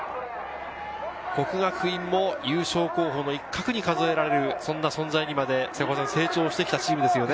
國學院も優勝候補の一角に数えられる存在にまで成長してきたチームですね。